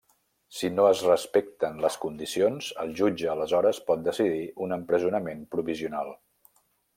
Si no es respecten les condicions, el jutge aleshores pot decidir un empresonament provisional.